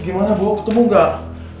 gimana bu ketemu gak